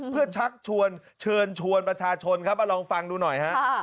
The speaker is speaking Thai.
เพื่อชักชวนเชิญชวนประชาชนครับเอาลองฟังดูหน่อยฮะ